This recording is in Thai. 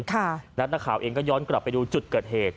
แล้วนักข่าวเองก็ย้อนกลับไปดูจุดเกิดเหตุ